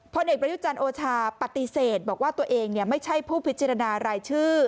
เอกประยุจันทร์โอชาปฏิเสธบอกว่าตัวเองไม่ใช่ผู้พิจารณารายชื่อ